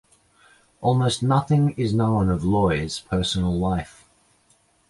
Almost nothing is known of Loye's personal life.